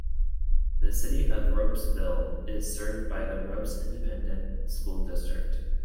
The City of Ropesville is served by the Ropes Independent School District.